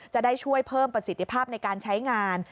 จะได้ช่วยเพิ่มประสิทธิภาพในการใช้งาน